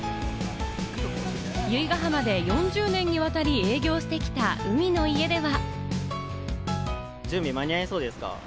由比ガ浜で４０年にわたり、営業してきた海の家では。